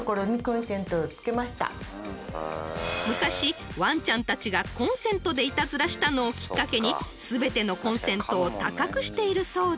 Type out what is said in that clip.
［昔ワンちゃんたちがコンセントでいたずらしたのをきっかけに全てのコンセントを高くしているそうで］